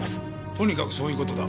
とにかくそういう事だ。